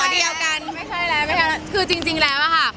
ไม่ใช่แล้วคือจริงแล้วค่ะ